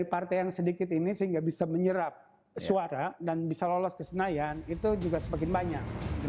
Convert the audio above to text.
partai yang sedikit ini sehingga bisa menyerap suara dan bisa lolos ke senayan itu juga semakin banyak